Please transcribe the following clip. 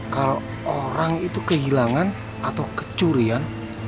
kalau orang itu kehilangan atau kecurian